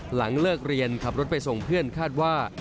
หลังเลิกเรียนขับรถไปส่งเพื่อนคาดว่า